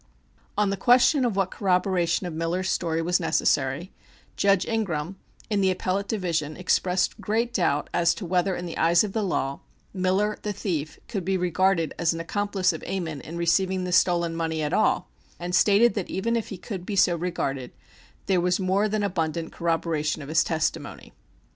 On the question of what corroboration of Miller's story was necessary, Judge Ingraham, in the Appellate Division, expressed great doubt as to whether in the eyes of the law Miller, the thief, could be regarded as an accomplice of Ammon in receiving the stolen money at all, and stated that even if he could be so regarded, there was more than abundant corroboration of his testimony.